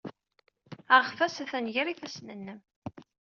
Aɣtas atan gar yifassen-nnem.